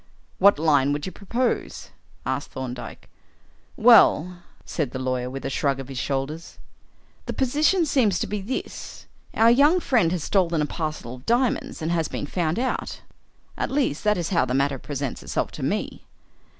"What line would you propose?" asked Thorndyke. "Well," said the lawyer, with a shrug of his shoulders, "the position seems to be this: our young friend has stolen a parcel of diamonds and has been found out; at least, that is how the matter presents itself to me."